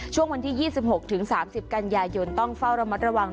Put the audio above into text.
ช่วงวันที่๒๖๓๐กันยายนต้องเฝ้าระมัดระวัง